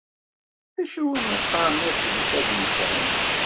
D acu iwumi qqaren asget agensan?